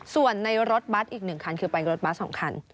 ส่วนในรถบัสอีก๑คันคือไปกับรถบัส๒คัน